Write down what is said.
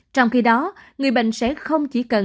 trong khi đó người bệnh sẽ không chỉ cần